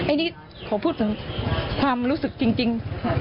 อันนี้ขอพูดถึงความรู้สึกจริง